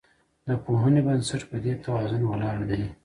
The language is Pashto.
د پوهې بنسټ په دې توازن ولاړ دی.